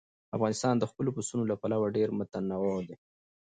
افغانستان د خپلو پسونو له پلوه ډېر متنوع دی.